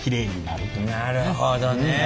なるほどね。